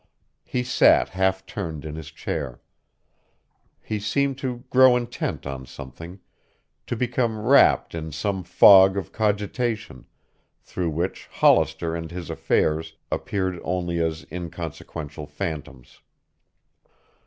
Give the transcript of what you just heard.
He sat half turned in his chair. He seemed to grow intent on something, to become wrapped in some fog of cogitation, through which Hollister and his affairs appeared only as inconsequential phantoms.